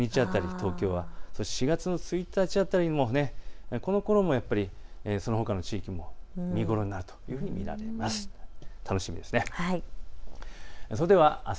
東京は４月の１日辺りも、このころはやっぱりそのほかの地域も見頃になると見られます。